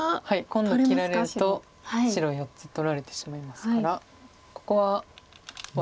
今度切られると白４つ取られてしまいますからここはワリコミかアテ。